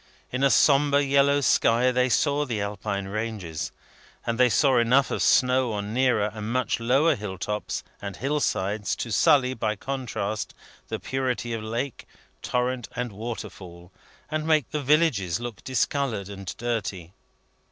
In a sombre yellow sky, they saw the Alpine ranges; and they saw enough of snow on nearer and much lower hill tops and hill sides, to sully, by contrast, the purity of lake, torrent, and waterfall, and make the villages look discoloured and dirty.